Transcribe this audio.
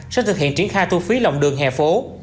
sẽ thực hiện triển khai thu phí lòng đường hè phố